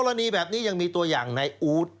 กรณีแบบนี้ยังมีตัวอย่างในอู๊ด